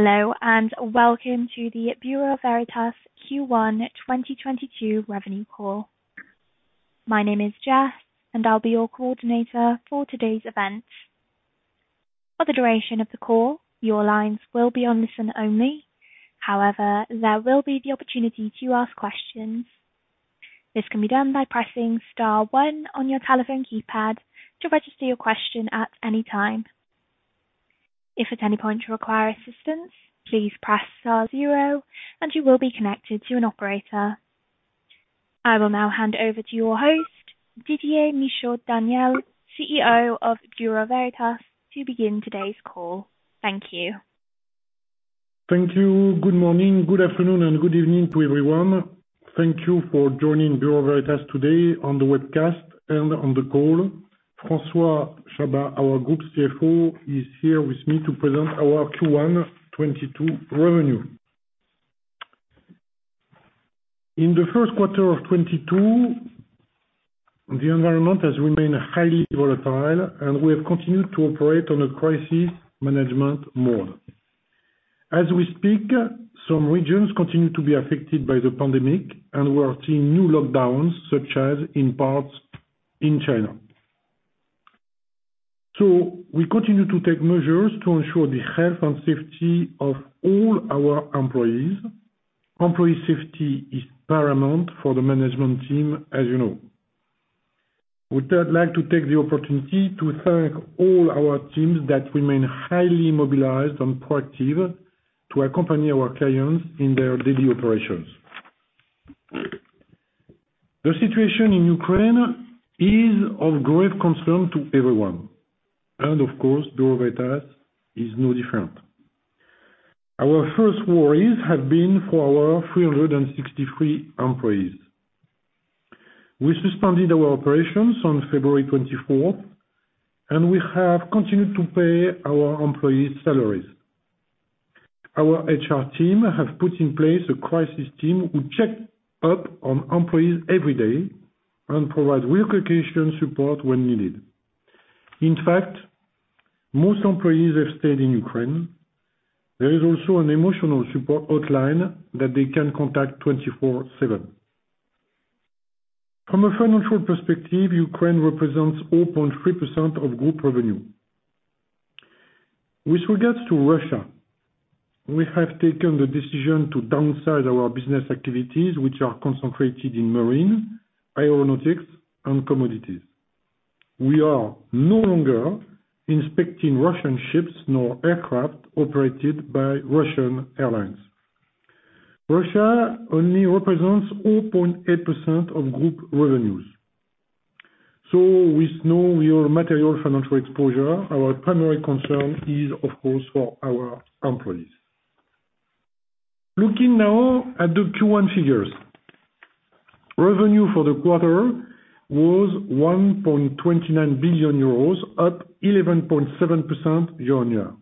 Hello, and welcome to the Bureau Veritas Q1 2022 revenue call. My name is Jess, and I'll be your coordinator for today's event. For the duration of the call, your lines will be on listen-only. However, there will be the opportunity to ask questions. This can be done by pressing star one on your telephone keypad to register your question at any time. If at any point you require assistance, please press star zero and you will be connected to an operator. I will now hand over to your host, Didier Michaud-Daniel, CEO of Bureau Veritas, to begin today's call. Thank you. Thank you. Good morning, good afternoon, and good evening to everyone. Thank you for joining Bureau Veritas today on the webcast and on the call. François Chabas, our Group CFO, is here with me to present our Q1 2022 revenue. In the first quarter of 2022, the environment has remained highly volatile, and we have continued to operate on a crisis management mode. As we speak, some regions continue to be affected by the pandemic, and we are seeing new lockdowns, such as in parts of China. We continue to take measures to ensure the health and safety of all our employees. Employee safety is paramount for the management team, as you know. I would then like to take the opportunity to thank all our teams that remain highly mobilized and proactive to accompany our clients in their daily operations. The situation in Ukraine is of grave concern to everyone, and of course, Bureau Veritas is no different. Our first worries have been for our 363 employees. We suspended our operations on February 24th, and we have continued to pay our employees' salaries. Our HR team have put in place a crisis team who check up on employees every day and provide relocation support when needed. In fact, most employees have stayed in Ukraine. There is also an emotional support hotline that they can contact 24/7. From a financial perspective, Ukraine represents 0.3% of group revenue. With regards to Russia, we have taken the decision to downsize our business activities, which are concentrated in marine, aeronautics and commodities. We are no longer inspecting Russian ships nor aircraft operated by Russian airlines. Russia only represents 0.8% of group revenues. With no real material financial exposure, our primary concern is, of course, for our employees. Looking now at the Q1 figures. Revenue for the quarter was 1.29 billion euros, up 11.7% year-on-year.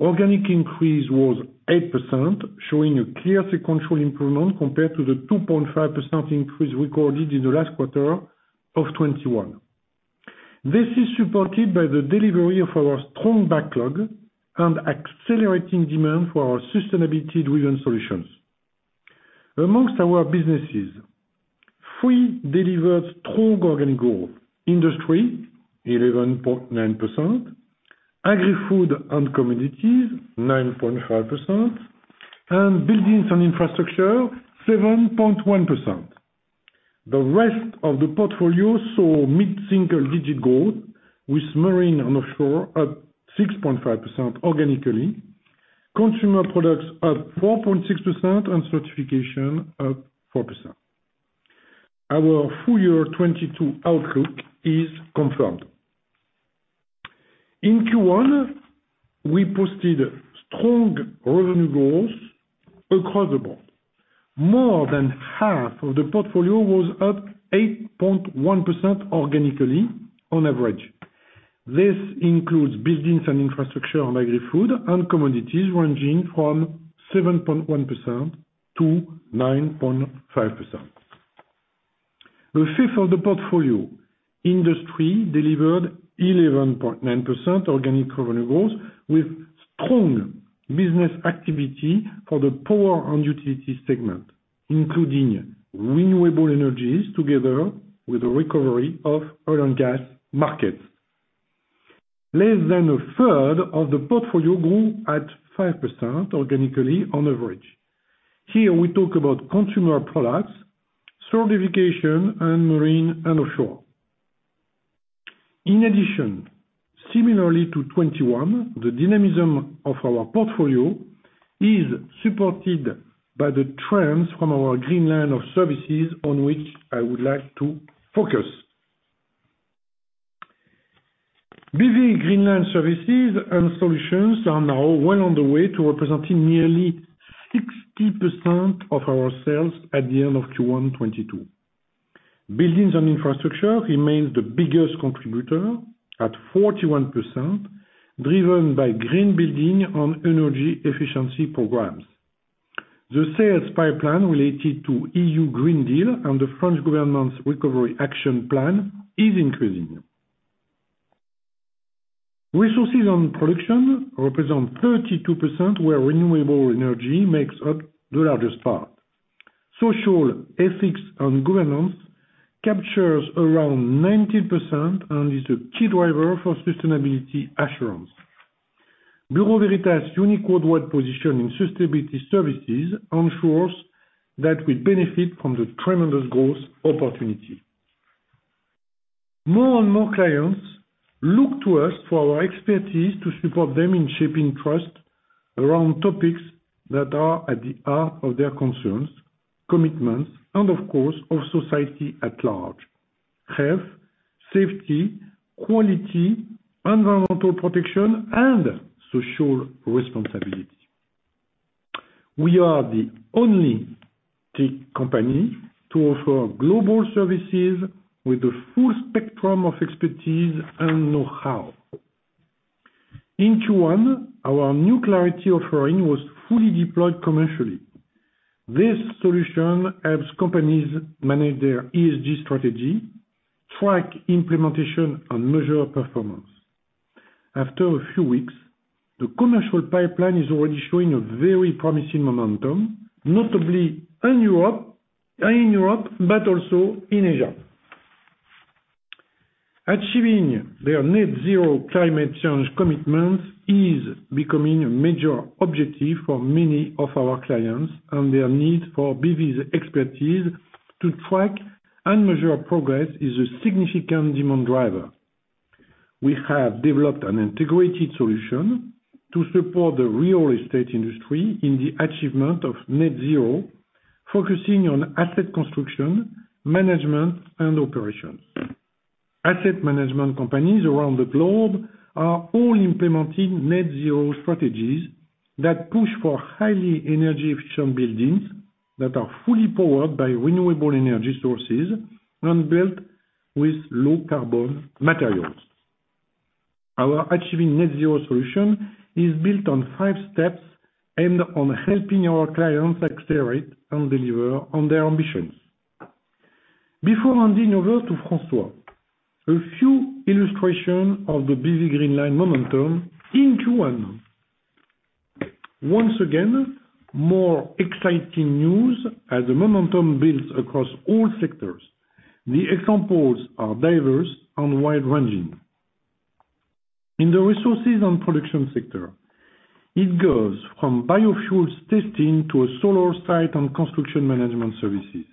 Organic increase was 8%, showing a clear sequential improvement compared to the 2.5% increase recorded in the last quarter of 2021. This is supported by the delivery of our strong backlog and accelerating demand for our sustainability driven solutions. Amongst our businesses, three delivered strong organic growth. Industry, 11.9%, Agri-Food & Commodities, 9.5%, and Buildings & Infrastructure, 7.1%. The rest of the portfolio saw mid-single digit growth, with Marine & Offshore at 6.5% organically, Consumer Products at 4.6% and Certification at 4%. Our FY 2022 outlook is confirmed. In Q1, we posted strong revenue growth across the board. More than half of the portfolio was up 8.1% organically on average. This includes Buildings & Infrastructure and Agri-Food & Commodities ranging from 7.1% to 9.5%. A fifth of the portfolio, Industry, delivered 11.9% organic revenue growth with strong business activity for the Power & Utilities segment, including renewable energies together with the recovery of oil and gas markets. Less than a third of the portfolio grew at 5% organically on average. Here we talk about Consumer Products, Certification and Marine & Offshore. In addition, similarly to 2021, the dynamism of our portfolio is supported by the trends from our Green Line of services on which I would like to focus. BV Green Line services and solutions are now well on the way to representing nearly 60% of our sales at the end of Q1 2022. Buildings and Infrastructure remains the biggest contributor at 41%, driven by green building and energy efficiency programs. The sales pipeline related to European Green Deal and France Relance is increasing. Resources and production represent 32%, where renewable energy makes up the largest part. Social ethics and governance captures around 19% and is a key driver for sustainability assurance. Bureau Veritas' unique worldwide position in sustainability services ensures that we benefit from the tremendous growth opportunity. More and more clients look to us for our expertise to support them in shaping trust around topics that are at the heart of their concerns, commitments, and of course, of society at large. Health, safety, quality, environmental protection, and social responsibility. We are the only tech company to offer global services with a full spectrum of expertise and know-how. In Q1, our new Clarity offering was fully deployed commercially. This solution helps companies manage their ESG strategy, track implementation, and measure performance. After a few weeks, the commercial pipeline is already showing a very promising momentum, notably in Europe, but also in Asia. Achieving their Net Zero climate change commitments is becoming a major objective for many of our clients, and their need for BV's expertise to track and measure progress is a significant demand driver. We have developed an integrated solution to support the real estate industry in the achievement of Net Zero, focusing on asset construction, management, and operations. Asset management companies around the globe are all implementing Net Zero strategies that push for highly energy efficient buildings that are fully powered by renewable energy sources and built with low carbon materials. Our Achieving Net Zero solution is built on five steps aimed at helping our clients accelerate and deliver on their ambitions. Before handing over to François, a few illustrations of the BV Green Line momentum in Q1. Once again, more exciting news as the momentum builds across all sectors. The examples are diverse and wide-ranging. In the resources and production sector, it goes from biofuels testing to a solar site and construction management services.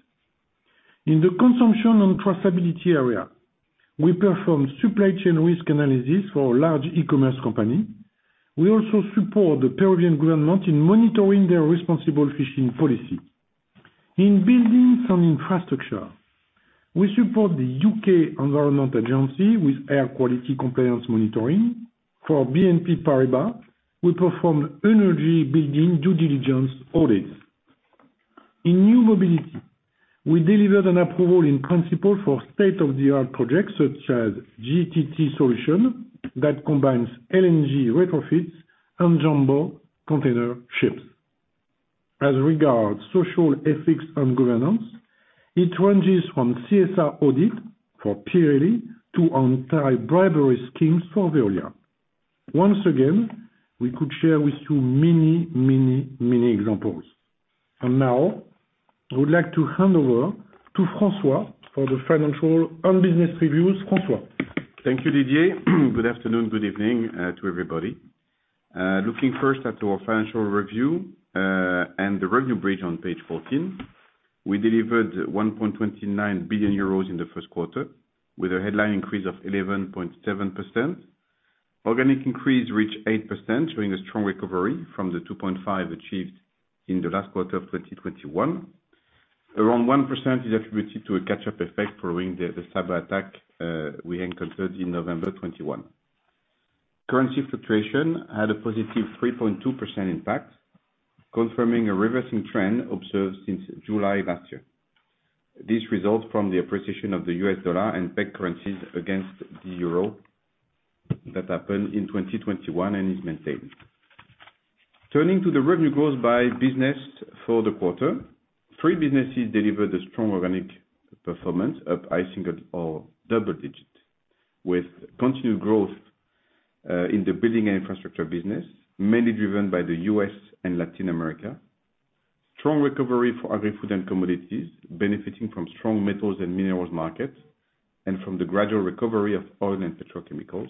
In the consumption and traceability area, we perform supply chain risk analysis for a large e-commerce company. We also support the Peruvian government in monitoring their responsible fishing policy. In Buildings & Infrastructure, we support the U.K. Environment Agency with air quality compliance monitoring. For BNP Paribas, we perform energy building due diligence audits. In new mobility, we delivered an approval in principle for state-of-the-art projects such as GTT solution that combines LNG retrofits and jumbo container ships. As regards ESG, it ranges from CSR audit for Pirelli to anti-bribery schemes for Veolia. Once again, we could share with you many, many, many examples. Now, I would like to hand over to François for the financial and business reviews. François? Thank you, Didier. Good afternoon, good evening, to everybody. Looking first at our financial review and the revenue bridge on page 14. We delivered 1.29 billion euros in the first quarter, with a headline increase of 11.7%. Organic increase reached 8%, showing a strong recovery from the 2.5% achieved in the last quarter of 2021. Around 1% is attributed to a catch-up effect following the cyberattack we encountered in November 2021. Currency fluctuation had a positive 3.2% impact, confirming a reversing trend observed since July last year. This results from the appreciation of the US dollar and pegged currencies against the euro that happened in 2021 and is maintained. Turning to the revenue growth by business for the quarter, three businesses delivered a strong organic performance of high single or double digits, with continued growth in the Buildings & Infrastructure business, mainly driven by the U.S. and Latin America. Strong recovery for Agri-Food & Commodities, benefiting from strong metals and minerals market and from the gradual recovery of oil and petrochemicals.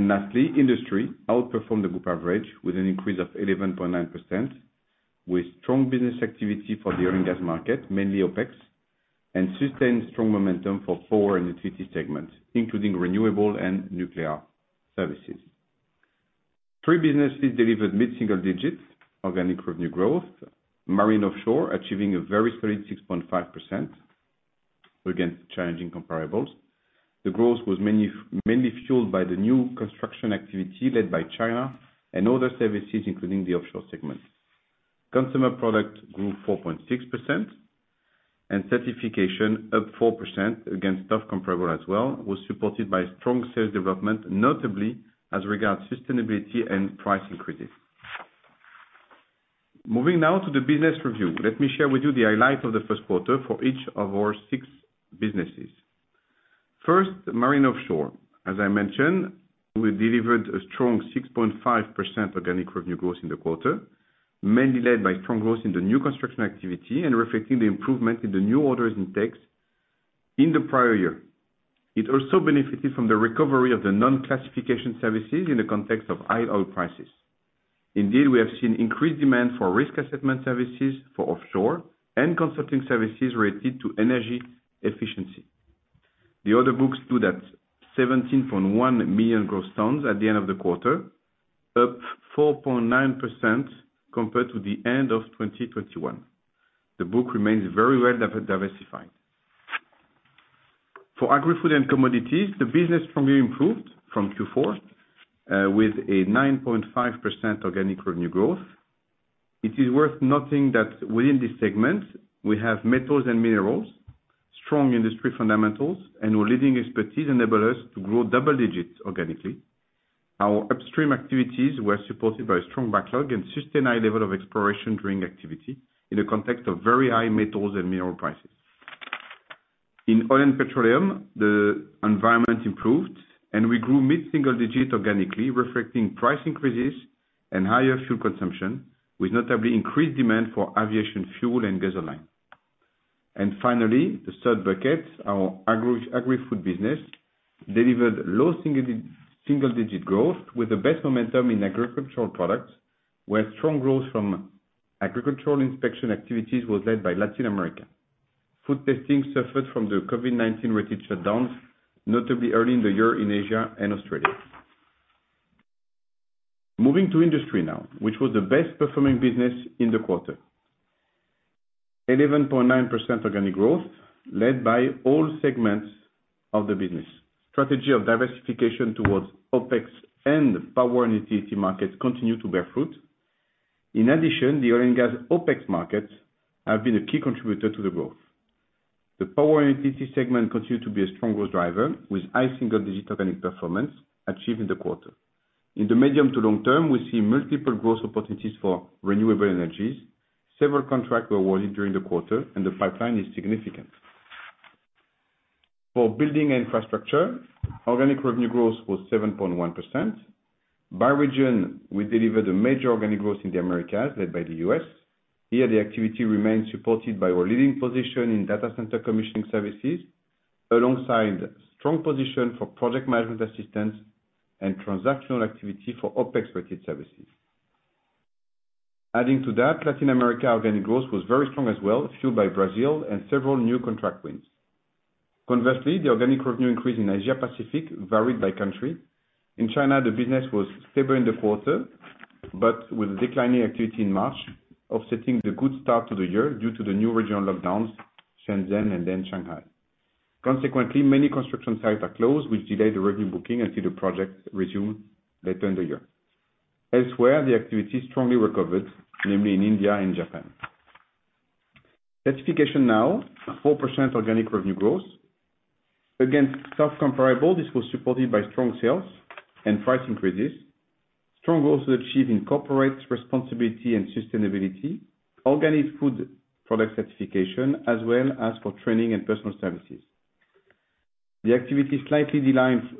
Lastly, Industry outperformed the group average with an increase of 11.9%, with strong business activity for the oil and gas market, mainly OPEX, and sustained strong momentum for Power & Utilities segments, including renewable and nuclear services. Three businesses delivered mid-single digits organic revenue growth. Marine & Offshore achieving a very solid 6.5% against challenging comparables. The growth was mainly fueled by the new construction activity led by China and other services, including the offshore segment. Consumer Products grew 4.6%. Certification up 4% against tough comparables as well, was supported by strong sales development, notably as regards sustainability and price increases. Moving now to the business review. Let me share with you the highlights of the first quarter for each of our six businesses. First, Marine & Offshore. As I mentioned, we delivered a strong 6.5% organic revenue growth in the quarter, mainly led by strong growth in the new construction activity and reflecting the improvement in the new orders intakes in the prior year. It also benefited from the recovery of the non-classification services in the context of high oil prices. Indeed, we have seen increased demand for risk assessment services for offshore and consulting services related to energy efficiency. The order books stood at 17.1 million gross tons at the end of the quarter, up 4.9% compared to the end of 2021. The book remains very well diversified. For Agri-Food & Commodities, the business strongly improved from Q4 with a 9.5% organic revenue growth. It is worth noting that within this segment, we have metals and minerals, strong industry fundamentals, and our leading expertise enable us to grow double digits organically. Our upstream activities were supported by a strong backlog and sustained high level of exploration during activity in the context of very high metals and mineral prices. In oil and petroleum, the environment improved and we grew mid-single digit organically, reflecting price increases and higher fuel consumption, with notably increased demand for aviation fuel and gasoline. Finally, the third bucket, our agri-food business, delivered low single-digit growth with the best momentum in agricultural products, where strong growth from agricultural inspection activities was led by Latin America. Food testing suffered from the COVID-19 related shutdowns, notably early in the year in Asia and Australia. Moving to Industry now, which was the best performing business in the quarter. 11.9% organic growth led by all segments of the business. Strategy of diversification towards OpEx and power and utilities markets continue to bear fruit. In addition, the oil and gas OpEx markets have been a key contributor to the growth. The power and utilities segment continued to be a strong growth driver with high single-digit organic performance achieved in the quarter. In the medium to long term, we see multiple growth opportunities for renewable energies. Several contracts were awarded during the quarter and the pipeline is significant. For Buildings & Infrastructure, organic revenue growth was 7.1%. By region, we delivered a major organic growth in the Americas, led by the U.S. Here, the activity remains supported by our leading position in data center commissioning services, alongside strong position for project management assistance and transactional activity for OPEX-related services. Adding to that, Latin America organic growth was very strong as well, fueled by Brazil and several new contract wins. Conversely, the organic revenue increase in Asia-Pacific varied by country. In China, the business was stable in the quarter, but with declining activity in March, offsetting the good start to the year due to the new regional lockdowns in Shenzhen and then Shanghai. Consequently, many construction sites are closed, which delayed the revenue booking until the projects resume later in the year. Elsewhere, the activity strongly recovered, namely in India and Japan. Certification now 4% organic revenue growth. Against tough comparable, this was supported by strong sales and price increases. Strong growth was achieved in corporate responsibility and sustainability, organic food product certification, as well as for training and personal services. The activity slightly declines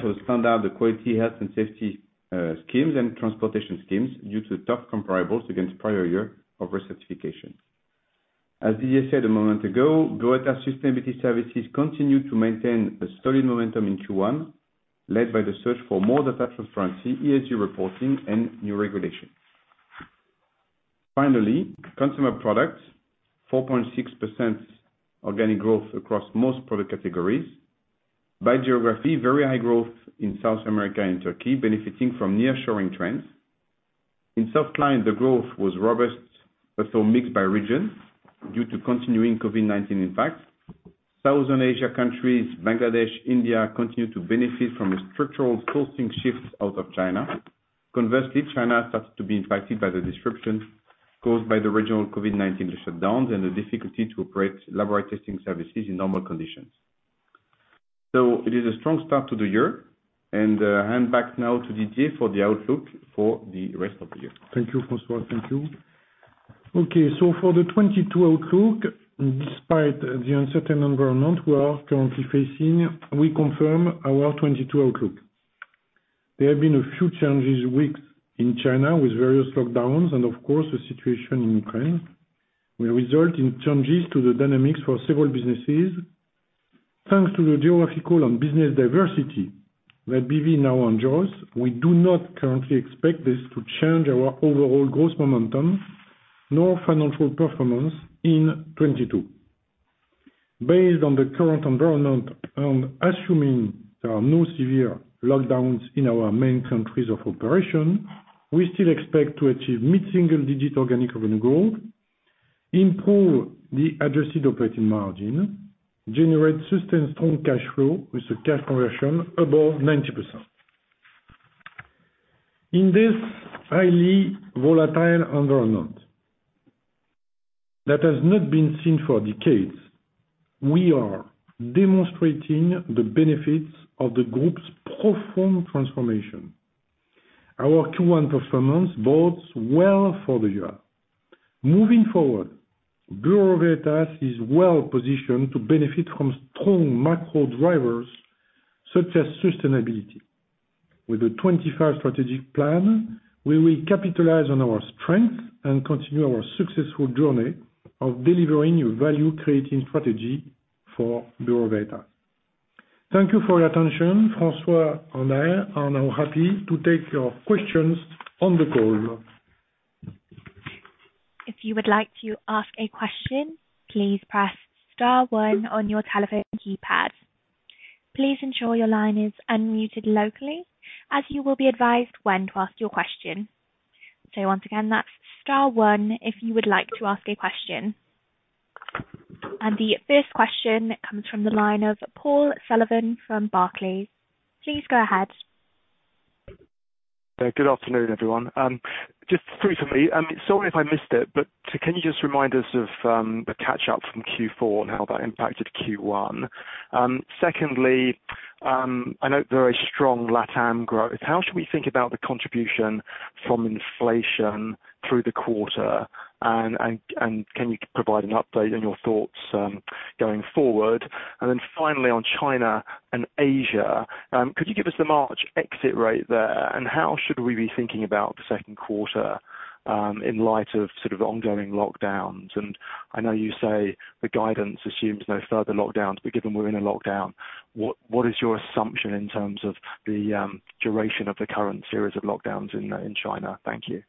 for the standard, the quality, health and safety schemes and transportation schemes due to tough comparables against prior year of recertification. As Didier Michaud-Daniel said a moment ago, Bureau Veritas Sustainability Services continued to maintain a solid momentum in Q1, led by the search for more data transparency, ESG reporting and new regulations. Finally, consumer products, 4.6% organic growth across most product categories. By geography, very high growth in South America and Turkey, benefiting from nearshoring trends. In South East Asia, the growth was robust, but still mixed by regions due to continuing COVID-19 impacts. South Asia countries, Bangladesh, India, continue to benefit from a structural sourcing shift out of China. Conversely, China starts to be impacted by the disruptions caused by the regional COVID-19 shutdowns and the difficulty to operate laboratory testing services in normal conditions. It is a strong start to the year and, handing back now to Didier for the outlook for the rest of the year. Thank you, François. Thank you. Okay, for the 2022 outlook, despite the uncertain environment we are currently facing, we confirm our 2022 outlook. There have been a few challenging weeks in China with various lockdowns and of course the situation in Ukraine will result in changes to the dynamics for several businesses. Thanks to the geographical and business diversity that BV now enjoys, we do not currently expect this to change our overall growth momentum, nor financial performance in 2022. Based on the current environment and assuming there are no severe lockdowns in our main countries of operation, we still expect to achieve mid-single-digit organic revenue growth, improve the adjusted operating margin, generate sustained strong cash flow with a cash conversion above 90%. In this highly volatile environment that has not been seen for decades, we are demonstrating the benefits of the group's profound transformation. Our Q1 performance bodes well for the year. Moving forward, Bureau Veritas is well positioned to benefit from strong macro drivers such as sustainability. With the '25 strategic plan, we will capitalize on our strength and continue our successful journey of delivering value-creating strategy for Bureau Veritas. Thank you for your attention. François and I are now happy to take your questions on the call. If you would like to ask a question, please press star one on your telephone keypad. Please ensure your line is unmuted locally, as you will be advised when to ask your question. Once again, that's star one if you would like to ask a question. The first question comes from the line of Paul Sullivan from Barclays. Please go ahead. Good afternoon, everyone. Just briefly, sorry if I missed it, but can you just remind us of the catch-up from Q4 and how that impacted Q1? Secondly, I note very strong LATAM growth. How should we think about the contribution from inflation through the quarter and can you provide an update on your thoughts going forward? Finally, on China and Asia, could you give us the March exit rate there? How should we be thinking about the second quarter in light of sort of ongoing lockdowns? I know you say the guidance assumes no further lockdowns, but given we're in a lockdown, what is your assumption in terms of the duration of the current series of lockdowns in China? Thank you.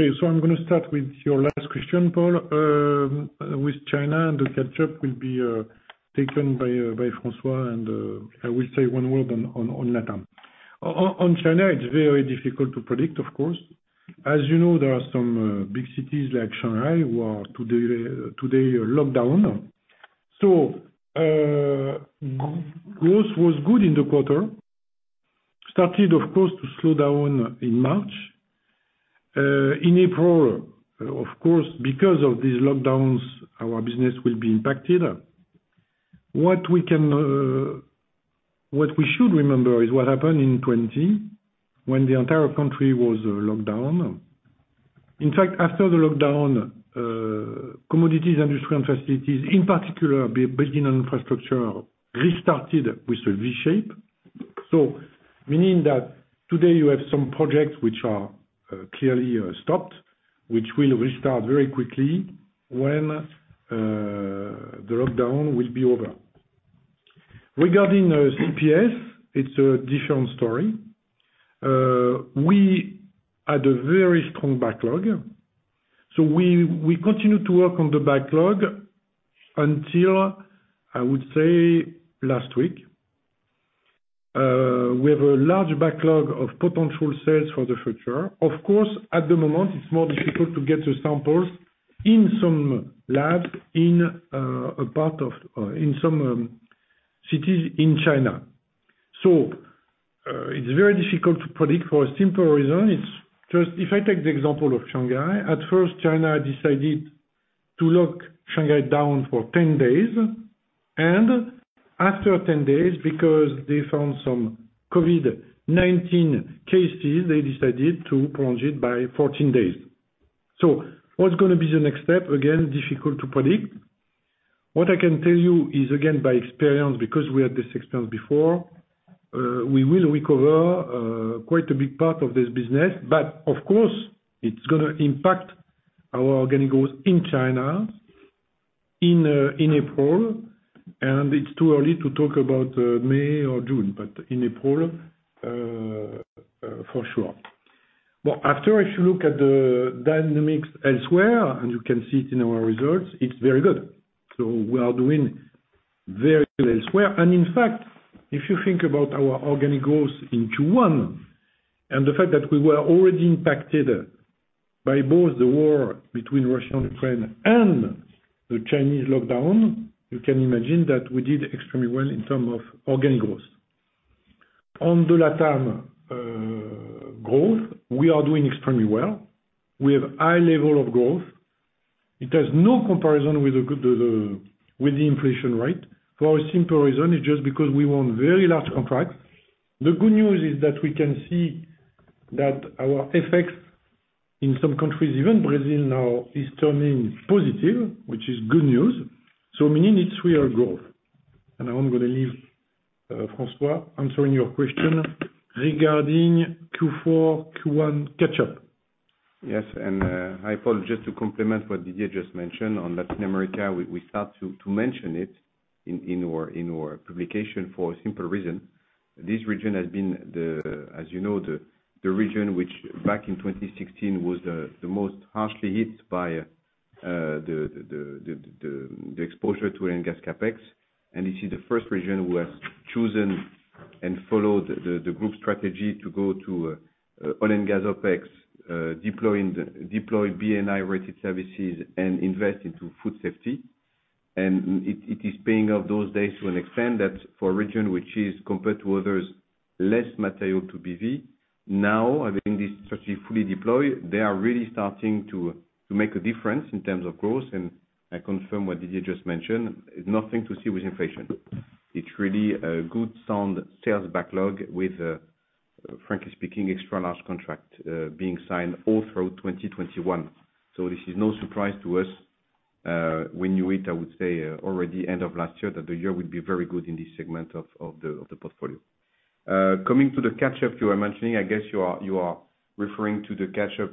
Okay. I'm gonna start with your last question, Paul, with China, and the catch-up will be taken by François. I will say one word on LATAM. On China, it's very difficult to predict, of course. As you know, there are some big cities like Shanghai who are today locked down. Growth was good in the quarter. It started, of course, to slow down in March. In April, of course, because of these lockdowns, our business will be impacted. What we should remember is what happened in 2020 when the entire country was locked down. In fact, after the lockdown, commodities, industrial facilities, in particular, building and infrastructure restarted with a V shape. Meaning that today you have some projects which are clearly stopped, which will restart very quickly when the lockdown will be over. Regarding CPS, it's a different story. We had a very strong backlog, so we continued to work on the backlog until, I would say, last week. We have a large backlog of potential sales for the future. Of course, at the moment, it's more difficult to get the samples in some labs in some cities in China. It's very difficult to predict for a simple reason. It's just, if I take the example of Shanghai, at first, China decided to lock Shanghai down for 10 days. After 10 days, because they found some COVID-19 cases, they decided to prolong it by 14 days. What's gonna be the next step? Again, difficult to predict. What I can tell you is, again, by experience, because we had this experience before, we will recover quite a big part of this business. Of course, it's gonna impact our organic growth in China in April, and it's too early to talk about May or June. In April, for sure. After, if you look at the dynamics elsewhere, and you can see it in our results, it's very good. We are doing very well elsewhere. In fact, if you think about our organic growth in Q1 and the fact that we were already impacted by both the war between Russia and Ukraine and the Chinese lockdown, you can imagine that we did extremely well in terms of organic growth. On the LATAM growth, we are doing extremely well. We have high level of growth. It has no comparison with the inflation rate for a simple reason. It's just because we won very large contracts. The good news is that we can see that our efforts in some countries, even Brazil now, is turning positive, which is good news. Meaning it's real growth. Now I'm gonna leave François answering your question regarding Q4, Q1 catch-up. Yes. Hi, Paul. Just to complement what Didier just mentioned on Latin America, we start to mention it in our publication for a simple reason. This region has been, as you know, the region which back in 2016 was the most harshly hit by the exposure to oil and gas Capex. This is the first region who has chosen and followed the group strategy to go to oil and gas Opex, deploy B&I related services and invest into food safety. It is paying off these days to an extent that for a region which is compared to others, less material to BV. Now, having this strategy fully deployed, they are really starting to make a difference in terms of growth and I confirm what Didier just mentioned, it's nothing to do with inflation. It's really a good sound sales backlog with, frankly speaking, extra large contract being signed all through 2021. This is no surprise to us. We knew it, I would say, already end of last year, that the year would be very good in this segment of the portfolio. Coming to the catchup you were mentioning, I guess you are referring to the catchup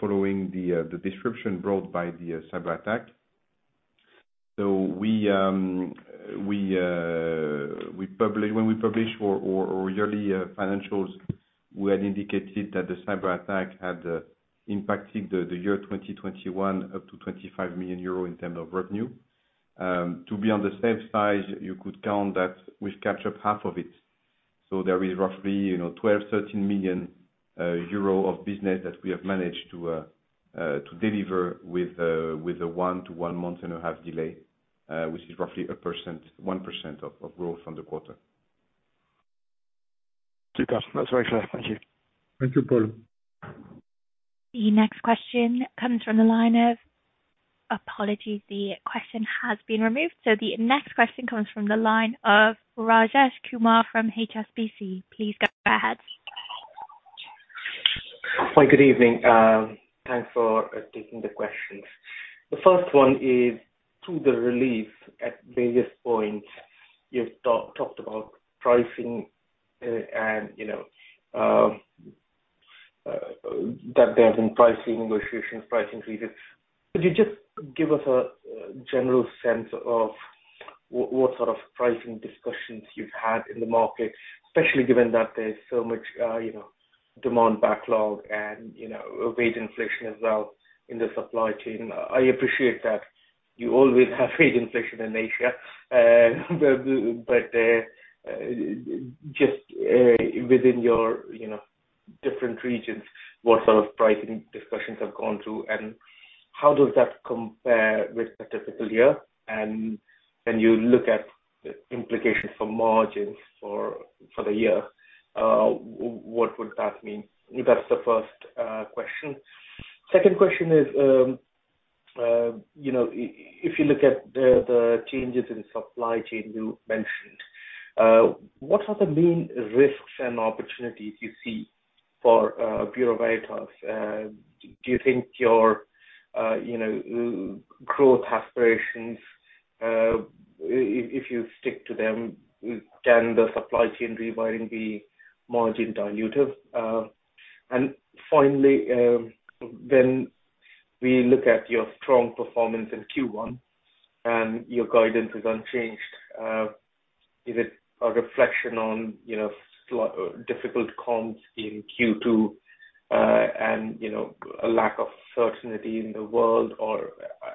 following the disruption brought by the cyberattack. When we publish our yearly financials, we had indicated that the cyberattack had impacted the year 2021 up to 25 million euro in terms of revenue. To be on the safe side, you could count that we've captured half of it. There is roughly, you know, 12 million-13 million euro of business that we have managed to deliver with a one- to one-and-a-half-month delay, which is roughly 1% of growth on the quarter. Super. That's very clear. Thank you. Thank you, Paul. The next question comes from the line of Rajesh Kumar from HSBC. Please go ahead. Hi, good evening. Thanks for taking the questions. The first one is, through the release at various points, you've talked about pricing, and, you know, that there have been pricing negotiations, price increases. Could you just give us a general sense of what sort of pricing discussions you've had in the market, especially given that there's so much demand backlog and wage inflation as well in the supply chain. I appreciate that you always have wage inflation in Asia. But just within your different regions, what sort of pricing discussions you've gone through, and how does that compare with the typical year, and when you look at the implications for margins for the year, what would that mean? That's the first question. Second question is, you know, if you look at the changes in supply chain you mentioned, what are the main risks and opportunities you see for Bureau Veritas? Do you think your, you know, growth aspirations, if you stick to them, can the supply chain rewriting be margin dilutive? And finally, when we look at your strong performance in Q1 and your guidance is unchanged, is it a reflection on, you know, difficult comps in Q2, and, you know, a lack of certainty in the world or,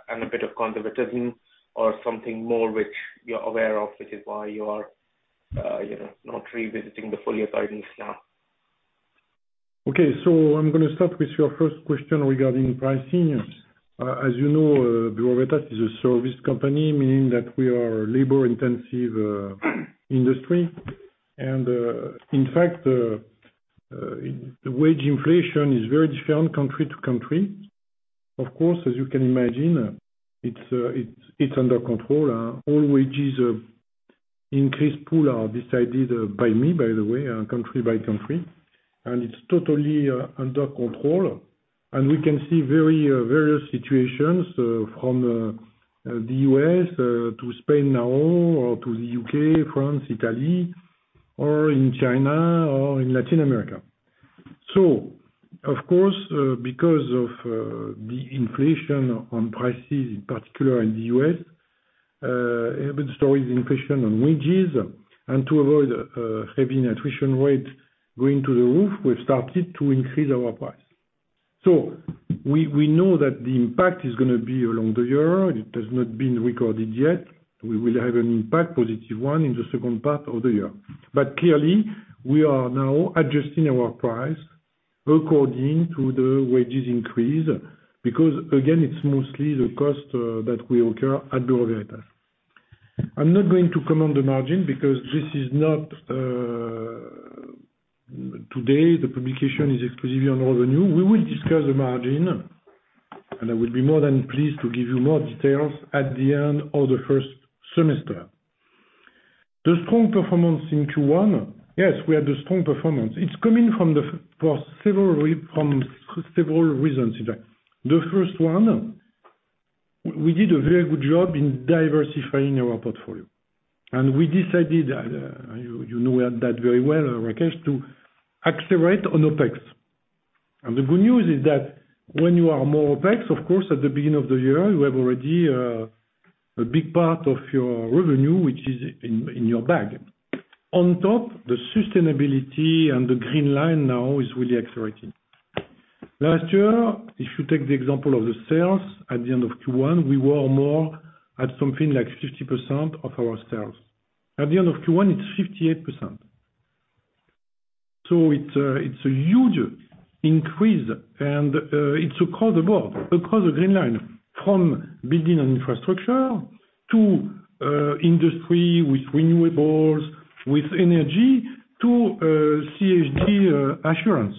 and a bit of conservatism or something more which you're aware of, which is why you are, you know, not revisiting the full year guidance now? Okay. I'm gonna start with your first question regarding pricing. As you know, Bureau Veritas is a service company, meaning that we are labor-intensive industry. In fact, the wage inflation is very different country to country. Of course, as you can imagine, it's under control. All wage increases are decided by me, by the way, country by country. It's totally under control. We can see very various situations from the U.S. to Spain now or to the U.K., France, Italy, or in China or in Latin America. Of course, because of the wage inflation, prices in particular in the U.S. have been increased. To avoid heavy attrition rates going through the roof, we've started to increase our price. We know that the impact is gonna be along the year. It has not been recorded yet. We will have an impact, positive one, in the second part of the year. Clearly, we are now adjusting our price according to the wages increase because, again, it's mostly the cost that we incur at Bureau Veritas. I'm not going to comment on the margin because this is not today. The publication is exclusively on revenue. We will discuss the margin, and I will be more than pleased to give you more details at the end of the first semester. The strong performance in Q1, yes, we have the strong performance. It's coming from several reasons in fact. The first one, we did a very good job in diversifying our portfolio. We decided, you know that very well, Rajesh, to accelerate on OpEx. The good news is that when you are more OpEx, of course, at the beginning of the year, you have already a big part of your revenue, which is in your bag. On top, the sustainability and the Green Line now is really accelerating. Last year, if you take the example of the sales at the end of Q1, we were more at something like 50% of our sales. At the end of Q1, it's 58%. It's a huge increase and it's across the board, across the Green Line, from Buildings and Infrastructure to Industry with renewables, with energy to CSR assurance.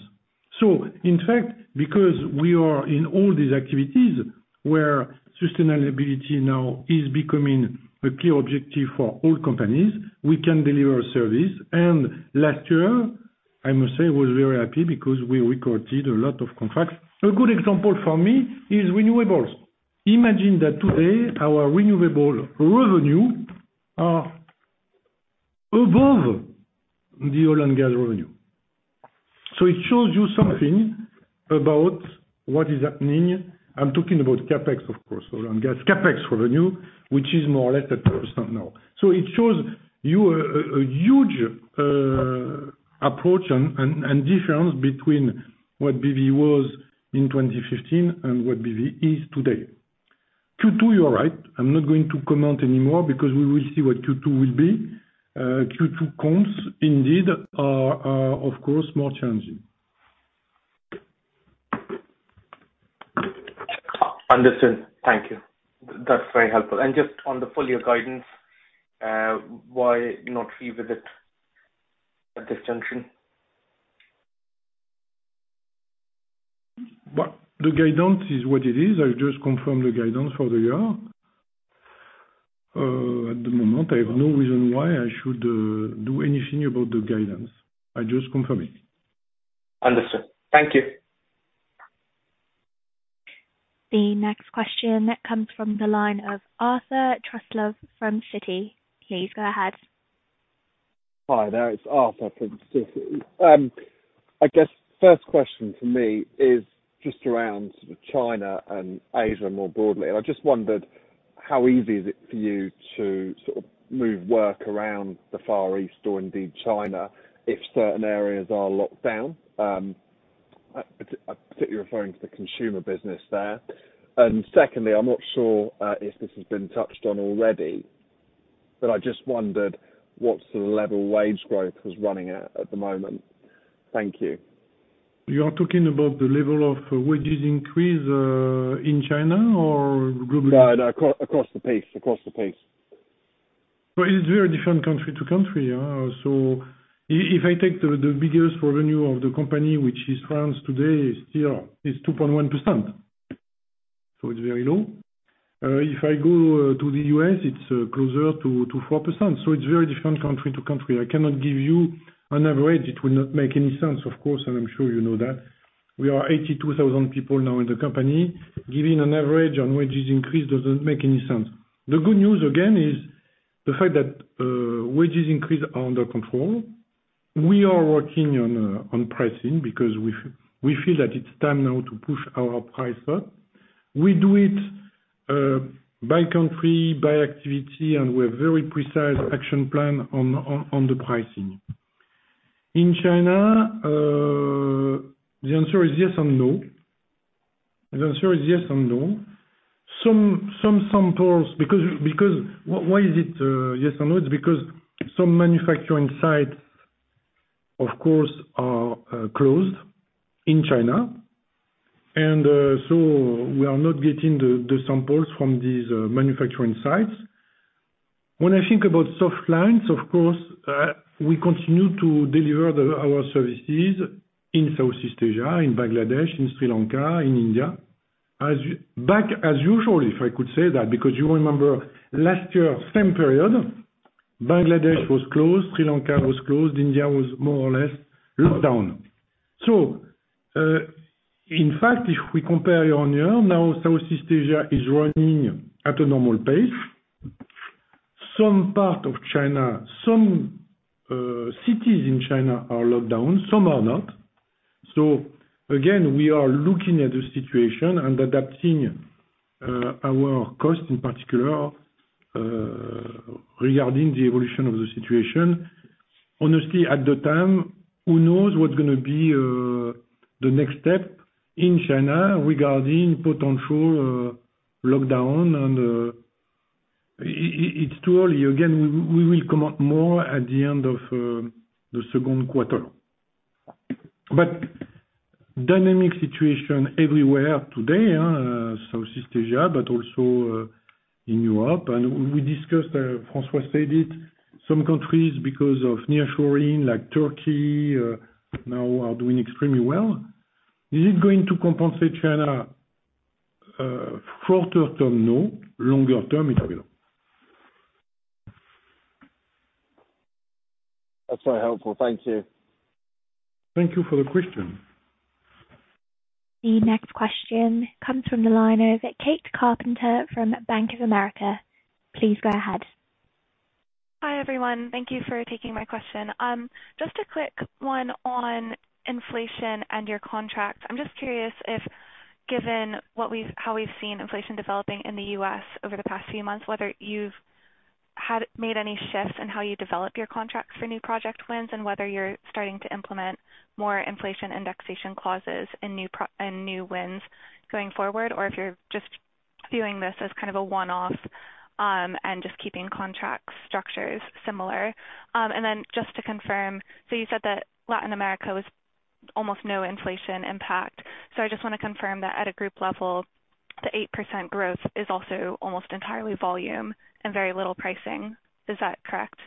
In fact, because we are in all these activities where sustainability now is becoming a key objective for all companies, we can deliver a service. Last year, I must say, I was very happy because we recorded a lot of contracts. A good example for me is renewables. Imagine that today, our renewable revenue are above the oil and gas revenue. It shows you something about what is happening. I'm talking about CapEx, of course, oil and gas CapEx revenue, which is more or less at 2% now. It shows you a huge approach and difference between what BV was in 2015 and what BV is today. Q2, you're right, I'm not going to comment anymore because we will see what Q2 will be. Q2 comps indeed are of course more challenging. Understood. Thank you. That's very helpful. Just on the full year guidance, why not revisit at this juncture? The guidance is what it is. I've just confirmed the guidance for the year. At the moment, I have no reason why I should do anything about the guidance. I just confirm it. Understood. Thank you. The next question comes from the line of Arthur Truslove from Citi. Please go ahead. Hi there. It's Arthur Truslove from Citi. I guess first question from me is just around China and Asia more broadly. I just wondered how easy is it for you to sort of move work around the Far East or indeed China if certain areas are locked down. I'm particularly referring to the consumer business there. Secondly, I'm not sure if this has been touched on already, but I just wondered what's the level wage growth was running at at the moment. Thank you. You are talking about the level of wages increase, in China or globally? No, across the pace. It's very different country to country. If I take the biggest revenue of the company, which is France today, still is 2.1%. It's very low. If I go to the U.S., it's closer to 4%. It's very different country to country. I cannot give you an average. It would not make any sense, of course, and I'm sure you know that. We are 82,000 people now in the company. Giving an average on wages increase doesn't make any sense. The good news, again, is the fact that wages increase are under control. We are working on pricing because we feel that it's time now to push our price up. We do it by country, by activity, and we're very precise action plan on the pricing. In China, the answer is yes and no. Some samples because why is it yes and no? It's because some manufacturing sites, of course, are closed in China. We are not getting the samples from these manufacturing sites. When I think about soft lines, of course, we continue to deliver our services in South East Asia, in Bangladesh, in Sri Lanka, in India. Back as usual, if I could say that, because you remember last year, same period, Bangladesh was closed, Sri Lanka was closed, India was more or less locked down. In fact, if we compare year-on-year, now South East Asia is running at a normal pace. Some part of China, some cities in China are locked down, some are not. Again, we are looking at the situation and adapting our costs in particular regarding the evolution of the situation. Honestly, at the time, who knows what's gonna be the next step in China regarding potential lockdown and it's too early. Again, we will come out more at the end of the second quarter. Dynamic situation everywhere today, Southeast Asia, but also in Europe. We discussed, François stated, some countries because of nearshoring, like Turkey now are doing extremely well. Is it going to compensate China short term, no. Longer term, it will. That's very helpful. Thank you. Thank you for the question. The next question comes from the line of Virginia Montorsi from Bank of America. Please go ahead. Hi, everyone. Thank you for taking my question. Just a quick one on inflation and your contracts. I'm just curious if, given how we've seen inflation developing in the U.S. over the past few months, whether you've had made any shifts in how you develop your contracts for new project wins, and whether you're starting to implement more inflation indexation clauses in new wins going forward, or if you're just viewing this as kind of a one-off, and just keeping contract structures similar. Just to confirm, you said that Latin America was almost no inflation impact. I just wanna confirm that at a group level, the 8% growth is also almost entirely volume and very little pricing. Is that correct?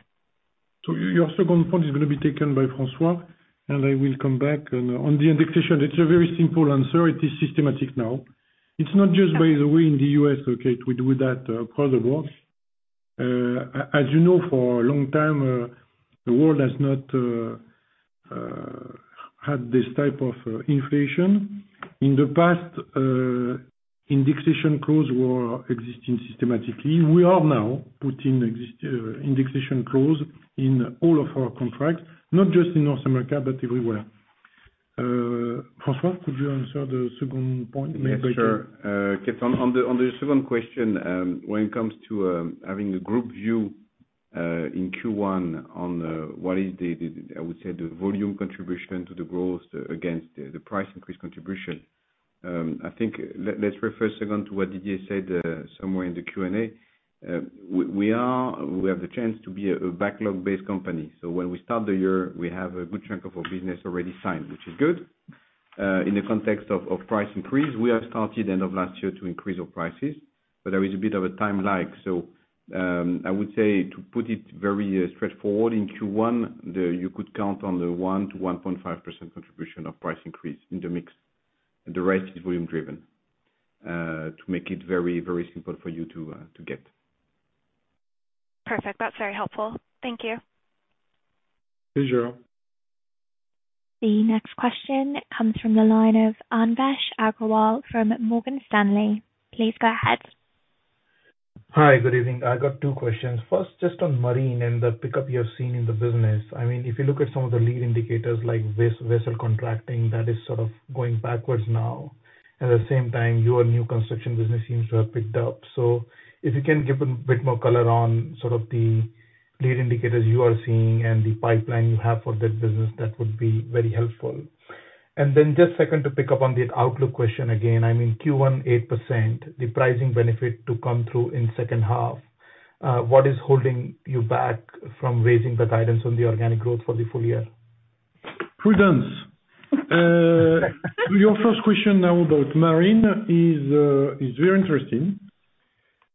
Your second point is gonna be taken by François, and I will come back. On the indexation, it's a very simple answer. It is systematic now. It's not just by the way in the U.S., okay, we do that across the board. As you know, for a long time, the world has not had this type of inflation. In the past, indexation clauses were existing systematically. We are now putting indexation clauses in all of our contracts, not just in North America, but everywhere. François, could you answer the second point made by Kate? Yeah, sure. Kate, on the second question, when it comes to having the group view in Q1 on what I would say the volume contribution to the growth against the price increase contribution, I think let's refer second to what Didier said somewhere in the Q&A. We have the chance to be a backlog-based company. When we start the year, we have a good chunk of our business already signed, which is good. In the context of price increase, we have started end of last year to increase our prices, but there is a bit of a time lag. I would say to put it very straightforward, in Q1, you could count on the 1%-1.5% contribution of price increase in the mix. The rest is volume driven, to make it very, very simple for you to get. Perfect. That's very helpful. Thank you. Pleasure. The next question comes from the line of Anvesh Agrawal from Morgan Stanley. Please go ahead. Hi, good evening. I got two questions. First, just on marine and the pickup you have seen in the business. I mean, if you look at some of the lead indicators like vessel contracting, that is sort of going backwards now. At the same time, your new construction business seems to have picked up. If you can give a bit more color on sort of the lead indicators you are seeing and the pipeline you have for that business, that would be very helpful. Then just second, to pick up on the outlook question again. I mean, Q1 8%, the pricing benefit to come through in second half. What is holding you back from raising the guidance on the organic growth for the full year? Prudence. Your first question now about marine is very interesting.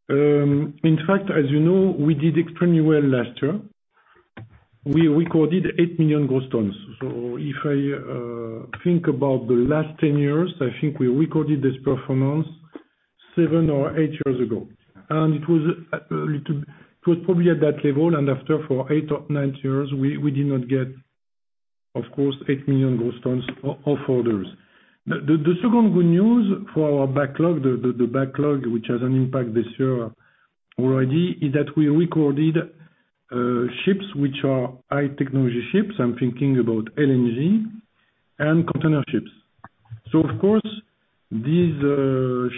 In fact, as you know, we did extremely well last year. We recorded 8 million gross tons. If I think about the last 10 years, I think we recorded this performance seven or eight years ago. It was probably at that level, and after for eight or 9 years, we did not get, of course, 8 million gross tons of orders. The second good news for our backlog, the backlog which has an impact this year already, is that we recorded ships which are high technology ships. I'm thinking about LNG and container ships. Of course, these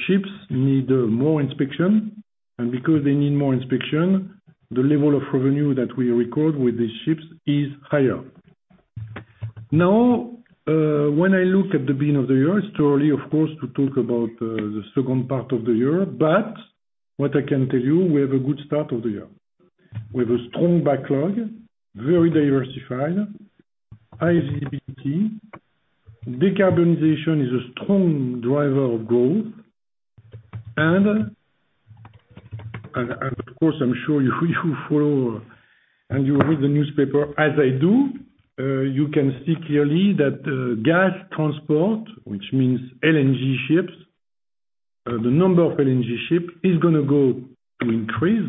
ships need more inspection, and because they need more inspection, the level of revenue that we record with these ships is higher. Now, when I look at the beginning of the year, it's too early, of course, to talk about the second part of the year. What I can tell you, we have a good start of the year. We have a strong backlog, very diversified, high CGT. Decarbonization is a strong driver of growth. Of course, I'm sure you follow and you read the newspaper as I do, you can see clearly that gas transport, which means LNG ships, the number of LNG ship is gonna go to increase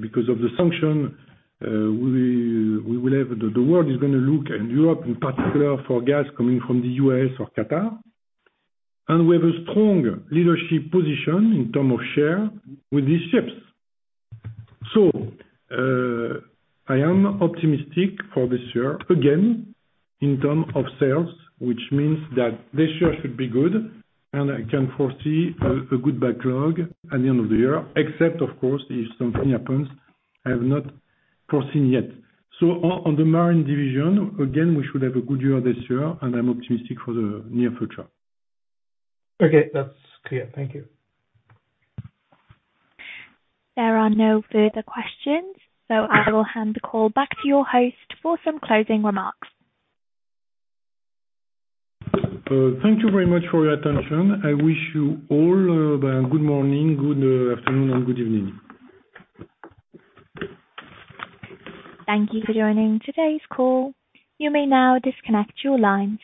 because of the sanction, we will have the world is gonna look in Europe in particular for gas coming from the U.S. or Qatar. We have a strong leadership position in term of share with these ships. I am optimistic for this year again in terms of sales, which means that this year should be good and I can foresee a good backlog at the end of the year, except of course if something happens I have not foreseen yet. On the marine division, again, we should have a good year this year, and I'm optimistic for the near future. Okay, that's clear. Thank you. There are no further questions, so I will hand the call back to your host for some closing remarks. Thank you very much for your attention. I wish you all a good morning, good afternoon, and good evening. Thank you for joining today's call. You may now disconnect your lines.